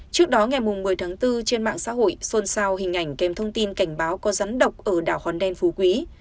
trước đó ngày một mươi tháng bốn trên mạng xã hội xuân sao hình ảnh kèm thông tin cảnh báo có rắn độc ở đảo hòn đen phú quý